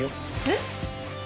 えっ？